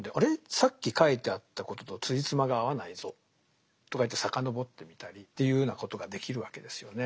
さっき書いてあったこととつじつまが合わないぞとかいって遡ってみたりっていうようなことができるわけですよね。